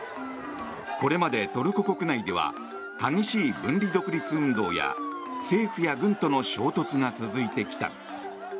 これまでトルコ国内では激しい分離独立運動や政府や軍との衝突が続いてきた。